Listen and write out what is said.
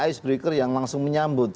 icebreaker yang langsung menyambut